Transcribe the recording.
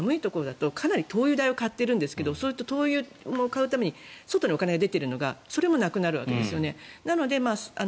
そうするとかなり寒いところだとかなり灯油代を買ってるんですが灯油を買うために外にお金が出ているのがなくなるわけですね。